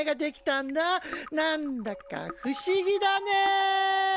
なんだか不思議だね！